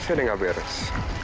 saya tidak beres